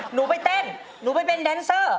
หนูไปเต้นหนูไปเป็นแดนเซอร์